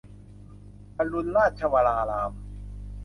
อรุณราชวราราม